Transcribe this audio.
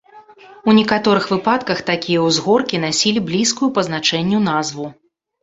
У некаторых выпадках такія ўзгоркі насілі блізкую па значэнню назву.